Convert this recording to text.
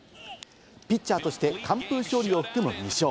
ピッチャーとして完封勝利を含む２勝。